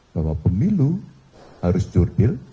bahwa pemilu harus jurdil